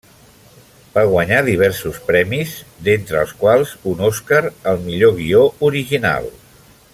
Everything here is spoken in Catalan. Va guanyar diversos premis, d'entre els quals un Oscar al millor guió original.